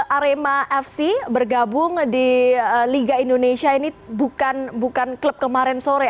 arema fc bergabung di liga indonesia ini bukan klub kemarin sore